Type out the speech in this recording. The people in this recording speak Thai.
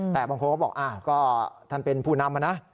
แต่บางคนเขาบอกอ้าวก็ท่านเป็นผู้นำอ่ะนะ